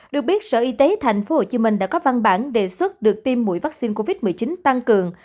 được biết sở y tế thành phố hồ chí minh đã có văn bản đề xuất được tiêm mũi vaccine covid một mươi chín tăng cường